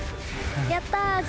やったー。